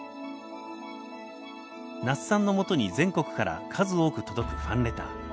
那須さんのもとに全国から数多く届くファンレター。